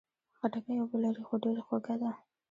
خټکی اوبه لري، خو ډېر خوږه ده.